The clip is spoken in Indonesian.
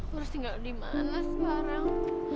lo harus tinggal dimana sekarang